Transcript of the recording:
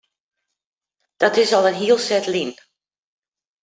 Dat is al in heel set lyn.